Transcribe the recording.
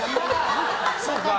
そうか。